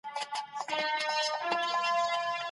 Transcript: ګوندونه تل خپل سياسي پروګرامونه تر کار لاندي نيسي.